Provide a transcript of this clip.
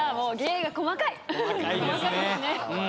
細かいですね。